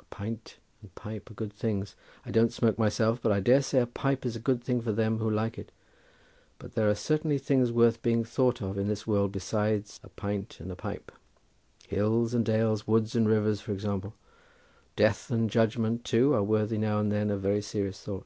A pint and pipe are good things. I don't smoke myself, but I dare say a pipe is a good thing for them who like it, but there are certainly things worth being thought of in this world besides a pint and pipe—hills and dales, woods and rivers, for example—death and judgment too are worthy now and then of very serious thought.